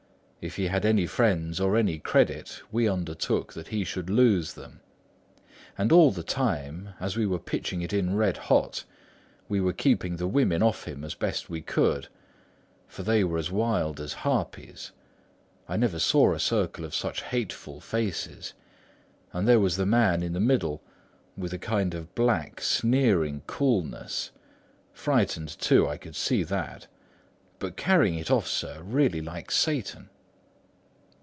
If he had any friends or any credit, we undertook that he should lose them. And all the time, as we were pitching it in red hot, we were keeping the women off him as best we could for they were as wild as harpies. I never saw a circle of such hateful faces; and there was the man in the middle, with a kind of black sneering coolness—frightened too, I could see that—but carrying it off, sir, really like Satan.